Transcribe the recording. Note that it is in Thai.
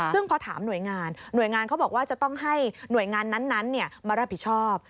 ซึ่งพอถามหน่วยงานหน่วยงานเขาบอกว่าจะต้องให้หน่วยงานนั้นมารับผิดชอบ